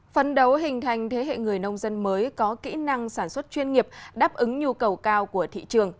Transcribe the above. phấn đấu hình thành thế hệ người nông dân mới có kỹ năng sản xuất chuyên nghiệp đáp ứng nhu cầu cao của thị trường